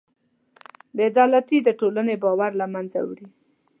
بېعدالتي د ټولنې باور له منځه وړي.